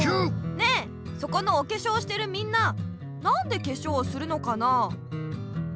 ねえそこのおけしょうしてるみんななんでけしょうをするのかな？